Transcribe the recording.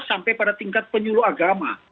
sampai pada tingkat penyuluh agama